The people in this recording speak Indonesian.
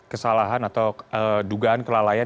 kesalahan atau dugaan kelalaian